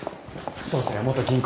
副総裁は元銀行員。